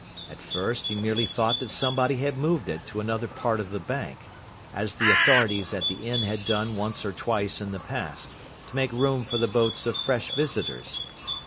At first he merely thought that somebody had moved it to another part of the bank, as the authorities at the inn had done once or twice in the past, to make room for the boats of fresh visitors.